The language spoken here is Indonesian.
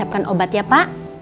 moi mungkin nggak terus po observe